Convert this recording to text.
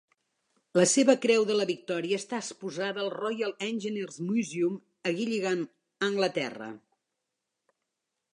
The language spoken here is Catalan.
La seva Creu de la Victòria està exposada al Royal Engineers Museum, a Gillingham, Anglaterra.